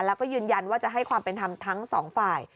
แล้วก็ยืนยันว่าจะให้ความเป็นธรรมทั้งสองฝ่าย